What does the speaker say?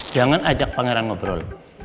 jangan ajak pangeran ngobrol